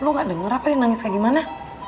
lo gak denger apa dia nangis kayak gimana